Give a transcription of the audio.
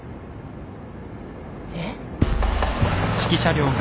えっ？